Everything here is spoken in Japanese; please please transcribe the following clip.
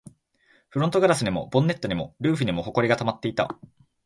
フロントガラスにも、ボンネットにも、ルーフにも埃が溜まっていた